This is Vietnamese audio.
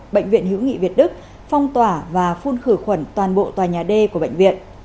bệnh viện hữu nghị việt đức phong tỏa và phun khử khuẩn toàn bộ tòa nhà d của bệnh viện